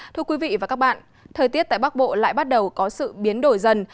thưa quý vị và các bạn thời tiết tại bắc bộ lại bắt đầu có sự biến đổi dần